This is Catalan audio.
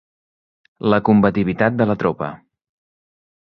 La combativitat de la tropa.